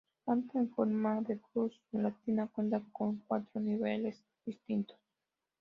Su planta en forma de cruz latina, cuenta con cuatro niveles distintos.